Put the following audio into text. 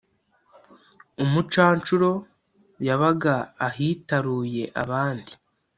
umucanshuro yabaga ahitaruye abandi;